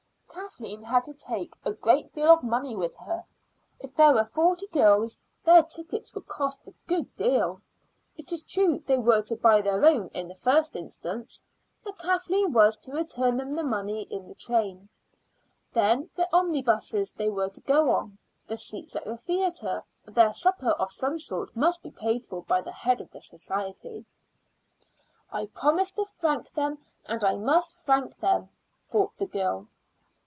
Kathleen had to take a great deal of money with her. If there were forty girls, their tickets would cost a good deal. It is true they were to buy their own in the first instance, but Kathleen was to return them the money in the train. Then the omnibuses they were to go on, the seats at the theatre, their supper of some sort must be paid for by the head of the society. "I promised to frank them, and I must frank them," thought the girl.